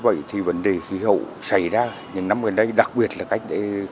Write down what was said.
vậy thì vấn đề khí hậu xảy ra những năm gần đây đặc biệt là cách khoảng tầm hai năm xảy ra một